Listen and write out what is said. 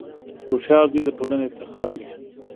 • هوښیار زوی د ټولنې افتخار وي.